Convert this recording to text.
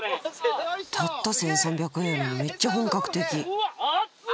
たった１３００円やのにめっちゃ本格的熱っ！